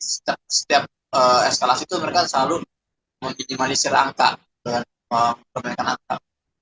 setiap eskalasi itu mereka selalu meminimalisir angka perbaikan angka